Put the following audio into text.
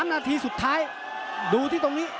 นาทีสุดท้ายดูที่ตรงนี้